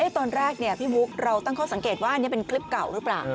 ตอนแรกพี่บุ๊คเราตั้งข้อสังเกตว่าอันนี้เป็นคลิปเก่าหรือเปล่า